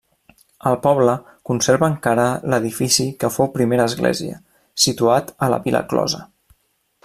El poble conserva encara l'edifici que fou primera església, situat a la vila closa.